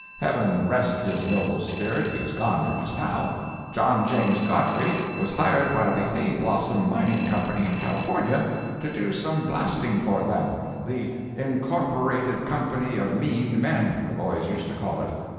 Heaven rest his noble spirit, he is gone from us now. John James Godfrey was hired by the Hayblossom Mining Company in California to do some blasting for them—the "Incorporated Company of Mean Men," the boys used to call it.